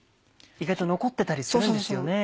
意外と残ってたりするんですよね。